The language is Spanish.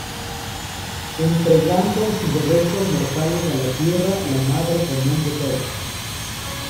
Entregando sus restos mortales a la Tierra, la madre común de todos.